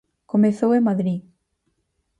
Comezou en Madrid.